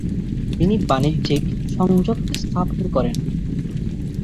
তিনি বাণিজ্যিক সংযোগ স্থাপন করেন।